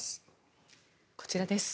こちらです。